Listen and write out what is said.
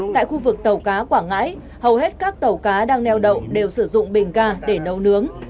tại khu vực tàu cá quảng ngãi hầu hết các tàu cá đang neo đậu đều sử dụng bình ga để nấu nướng